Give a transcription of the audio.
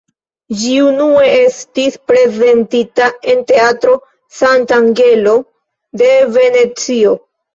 Ĝi unue estis prezentita en Teatro Sant'Angelo de Venecio.